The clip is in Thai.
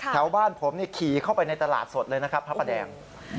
แถวบ้านผมขี่เข้าไปในตลาดสดเลยนะครับพระประแดง